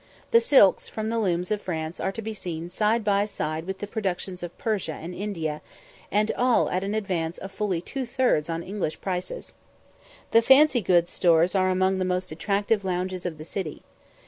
The silks from the looms of France are to be seen side by side with the productions of Persia and India, and all at an advance of fully two thirds on English prices. The "fancy goods" stores are among the most attractive lounges of the city.